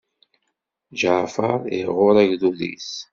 Ǧaɛfeṛ iɣuṛṛ agdud-is.